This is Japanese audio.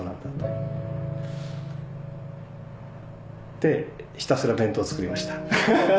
でひたすら弁当作りました。